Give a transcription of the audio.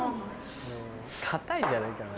かたいんじゃないかな？